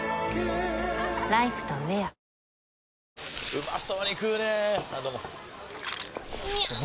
うまそうに食うねぇあどうもみゃう！！